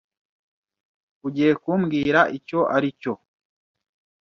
Ugiye kumbwira icyo aricyo?